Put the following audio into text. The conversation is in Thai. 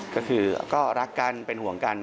ก็คือก็รักกันเป็นห่วงกัน